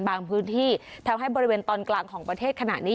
พื้นที่ทำให้บริเวณตอนกลางของประเทศขณะนี้